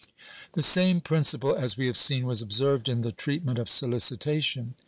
^ The same principle, as we have seen, was observed in the treat ment of solicitation.